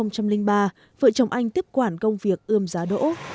năm hai nghìn ba vợ chồng anh tiếp quản công việc ươm giá đỗ